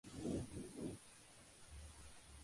Luego, incursionó en el medio radial.